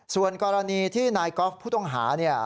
ส่วนกรณีที่นายกอล์ฟผู้ต้องหาเนี่ย